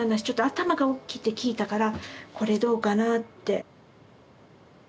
ちょっと頭がおっきいって聞いたから「これどうかな？」って。